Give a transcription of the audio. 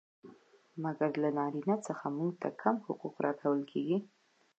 مګر له نارينه څخه موږ ته کم حقوق را کول کيږي.